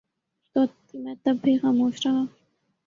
تو میں تب بھی خاموش رہا